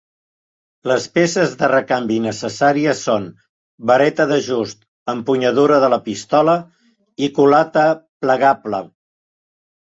Les peces de recanvi necessàries són: vareta d'ajust, empunyadura de la pistola i culata plegable.